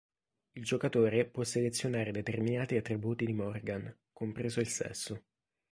Il giocatore può selezionare determinati attributi di Morgan, compreso il sesso.